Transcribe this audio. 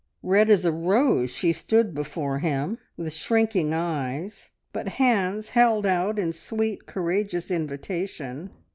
Red as a rose she stood before him, with shrinking eyes, but hands held out in sweet, courageous invitation.